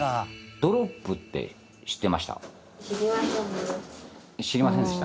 ドロップって知ってます？